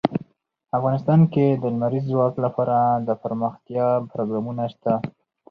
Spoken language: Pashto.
افغانستان کې د لمریز ځواک لپاره دپرمختیا پروګرامونه شته.